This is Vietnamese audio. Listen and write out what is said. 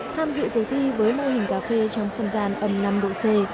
tham dự cuộc thi với mô hình cà phê trong không gian âm năm độ c